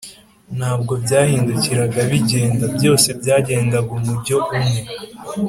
Ntabwo byahindukiraga bigenda, byose byagendaga umujyo umwe